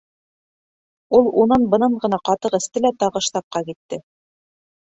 Ул унан-бынан ғына ҡатыҡ эсте лә тағы штабҡа китте.